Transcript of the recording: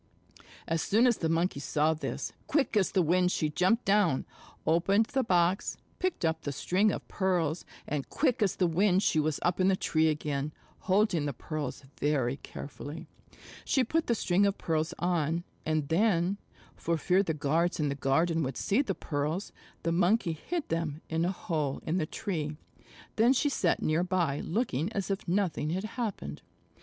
As soon as the Monkey saw this, quick as the wind she jumped down, opened the box, picked up the string of pearls, and quick as the wind she was up in the tree again, holding the pearls very carefully. She put the string of pearls on, and then, for fear the guards in the garden would see the pearls, the Monkey hid them in a hole in the tree. Then she sat near by looking as if nothing had happened.